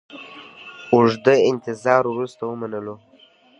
اوږده انتظار وروسته ومنلو.